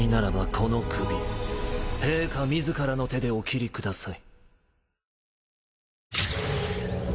この首陛下自らの手でお斬りください。